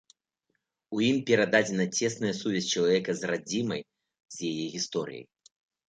У ім перададзеная цесная сувязь чалавека з радзімай, з яе гісторыяй.